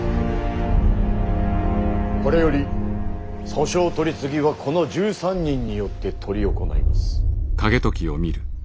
これより訴訟取次はこの１３人によって執り行います。